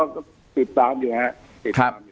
ก็ติดตามอยู่ครับ